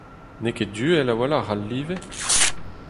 N'eo ket uhel a-walc'h al live ?